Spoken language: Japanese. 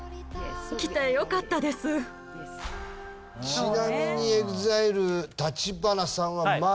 ちなみにＥＸＩＬＥ橘さんはまだ。